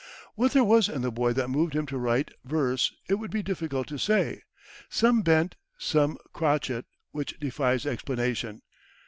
What there was in the boy that moved him to write verse it would be difficult to say some bent, some crotchet, which defies explanation.